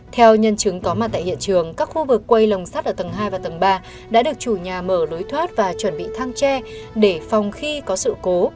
theo nhân chứng có mặt tại hiện trường các khu vực quay lồng sắt ở tầng hai và tầng ba đã được chủ nhà mở lối thoát và chuẩn bị thang tre để phòng khi có sự cố